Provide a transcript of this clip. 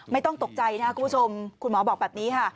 ไม่ต้องตกใจนะครับคุณผู้ชมคุณหมอบอกแบบนี้ค่ะ